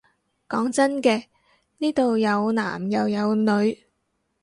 講真嘅，呢度有男又有女